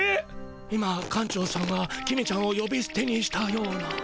今館長さんが公ちゃんをよびすてにしたような。